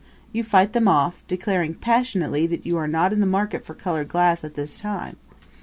You fight them off, declaring passionately that you are not in the market for colored glass at this time.